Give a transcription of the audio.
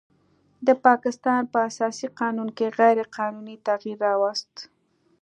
د پاکستان په اساسي قانون کې غیر قانوني تغیر راوست